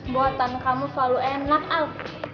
buatan kamu selalu enak al